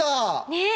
ねえ。